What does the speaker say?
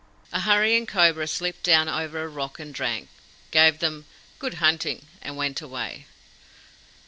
A hurrying cobra slipped down over a rock and drank, gave them "Good hunting!" and went away.